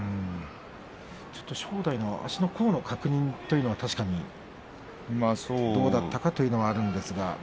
正代の足の甲の確認というのはどうだったかというのがあるんですが。